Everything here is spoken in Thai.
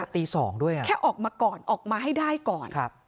ตี๒ด้วยแค่ออกมาก่อนออกมาให้ได้ก่อน